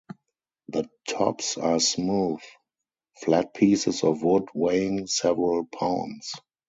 The tops are smooth, flat pieces of wood weighing several pounds.